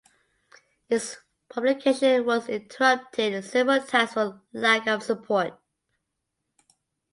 Its publication was interrupted several times for lack of support.